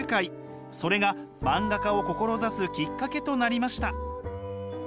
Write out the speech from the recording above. それが漫画家を志すきっかけとなりました。